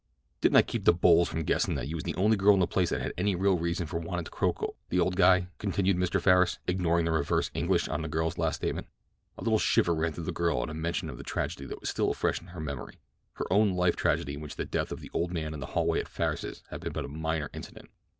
"Didn't I keep the bulls from guessin' that you was the only girl in the place that had any real reason for wantin' to croak old—the old guy?" continued Mr. Farris, ignoring the reverse English on the girl's last statement. A little shiver ran through the girl at mention of the tragedy that was still fresh in her memory—her own life tragedy in which the death of the old man in the hallway at Farris's had been but a minor incident.